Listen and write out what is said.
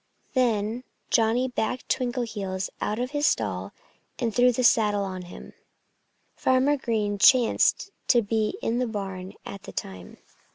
Then Johnnie backed Twinkleheels out of his stall and threw the saddle on him. Farmer Green chanced to be in the barn at the time.